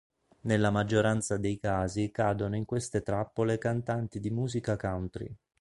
Nella maggioranza dei casi cadono in queste trappole cantanti di musica country.